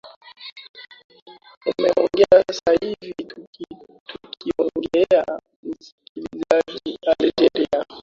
umegeuka sasa hivi tukiongea msikilizaji algeria